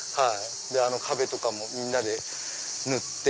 あの壁とかもみんなで塗って。